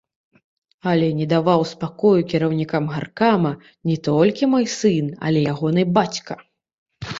Але не даваў спакою кіраўнікам гаркама не толькі мой сын, але ягоны бацька.